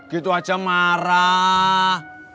gitu aja marah